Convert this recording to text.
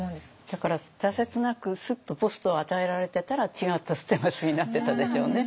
だから挫折なくスッとポストを与えられてたら違った捨松になってたでしょうね。